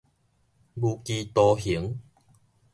無期徒刑